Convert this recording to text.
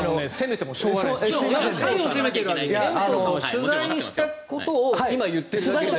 取材したことを今、言ってるだけ。